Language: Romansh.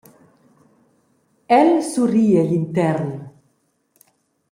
El surri egl intern.